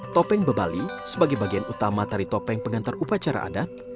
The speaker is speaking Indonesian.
topeng bebali sebagai bagian utama tari topeng pengantar upacara adat